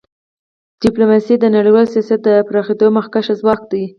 ډیپلوماسي د نړیوال سیاست د پراخېدو مخکښ ځواک دی.